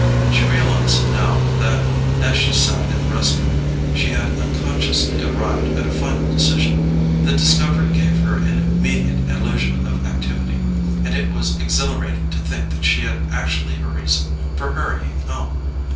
She realized now that, as she sat in the restaurant, she had unconsciously arrived at a final decision. The discovery gave her an immediate illusion of activity: it was exhilarating to think that she had actually a reason for hurrying home.